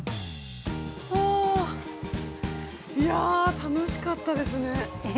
◆いやあ、楽しかったですね。